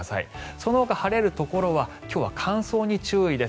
そのほか晴れるところは今日は乾燥に注意です。